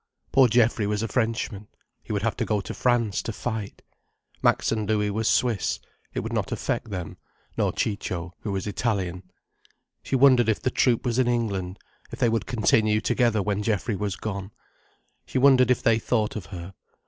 Poor Geoffrey was a Frenchman—he would have to go to France to fight. Max and Louis were Swiss, it would not affect them: nor Ciccio, who was Italian. She wondered if the troupe was in England: if they would continue together when Geoffrey was gone. She wondered if they thought of her.